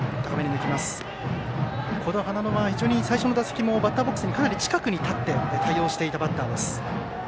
羽田野は、最初の打席でも非常にバッターボックスの近くに立って対応していたバッターです。